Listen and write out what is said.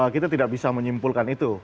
kita tidak bisa menyimpulkan itu